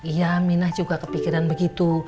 iya mina juga kepikiran begitu